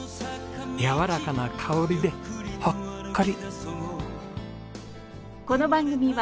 やわらかな香りでほっこり。